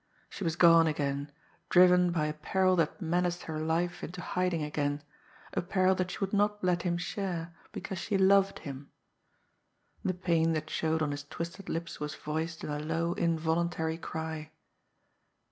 She was gone again, driven by a peril that menaced her life into hiding again a peril that she would not let him share because she loved him. The pain that showed on his twisted lips was voiced in a low, involuntary cry.